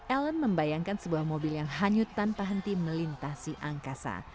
ellen membayangkan sebuah mobil yang hanyut tanpa henti melintasi angkasa